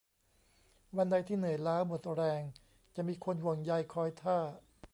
วันใดที่เหนื่อยล้าหมดแรงจะมีคนห่วงใยคอยท่า